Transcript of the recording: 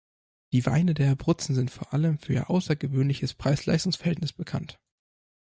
Die Weine der Abruzzen sind vor allem für ihr außergewöhnliches Preis-Leistungs-Verhältnis bekannt.